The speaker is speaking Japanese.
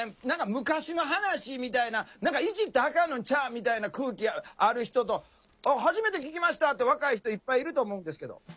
何か昔の話みたいな何かいじったらあかんのちゃうんみたいな空気ある人と初めて聞きましたって若い人いっぱいいると思うんですけど。